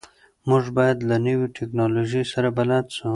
موږ باید له نویو ټکنالوژیو سره بلد سو.